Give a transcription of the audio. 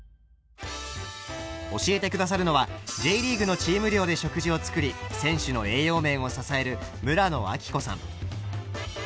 教えて下さるのはＪリーグのチーム寮で食事を作り選手の栄養面を支える村野明子さん。